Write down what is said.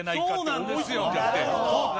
そうなんですよ。